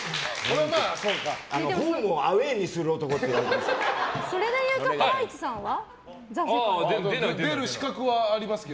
ホームをアウェーにする男っていわれてますから。